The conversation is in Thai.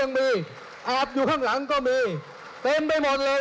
โอ้โหเกือบเต็มห้องเลย